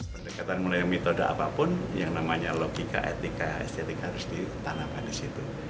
pendekatan mulai metode apapun yang namanya logika etika estetika harus ditanamkan di situ